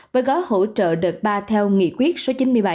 với gói hỗ trợ đợt ba theo nghị quyết số chín mươi bảy